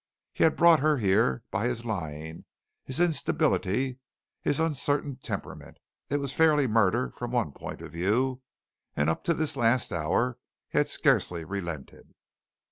He had brought her here by his lying, his instability, his uncertain temperament. It was fairly murder from one point of view, and up to this last hour he had scarcely relented.